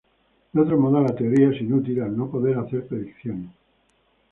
De otro modo la teoría es inútil al no poder hacer predicciones.